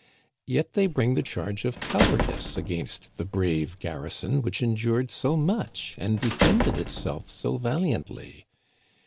Yet they bring the charge of cowardice against the brave garrison which endured so much and defended itself so valiantly.